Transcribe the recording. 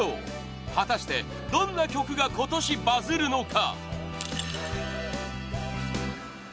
果たして、どんな曲が今年バズるのか？